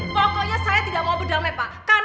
pokoknya saya tidak mau berdamai pak